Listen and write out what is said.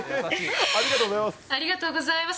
ありがとうございます。